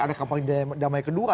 ada kampanye damai kedua